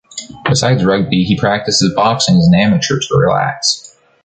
Beside Rugby, he practices boxing as an amateur to relax.